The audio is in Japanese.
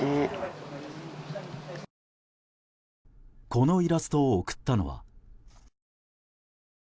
このイラストを送ったのは。